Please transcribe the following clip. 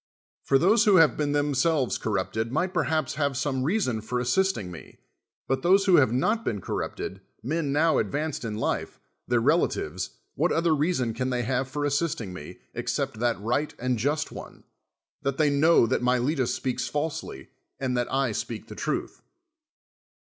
For those who have been themselves corrupted might perhaps have son:e reason for assistiirz me ; but those who have not been corrupted, mea now advanced in life, tlioir relatives, what otlicr reason can they have for as.sisting me, exce])t that right and just one, that they knoAV that jMiletus speaks falsely and that I speak the truth.